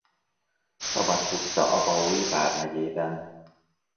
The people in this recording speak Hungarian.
Szabad puszta Abaúj Vármegyében.